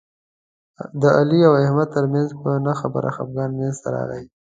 د علي او احمد ترمنځ په نه خبره خپګان منځ ته راغی.